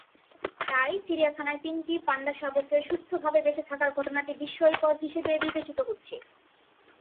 তাই চিড়িয়াখানায় তিনটি পান্ডাশাবকের সুস্থভাবে বেঁচে থাকার ঘটনাটি বিস্ময়কর হিসেবেবিবেচিত হচ্ছে।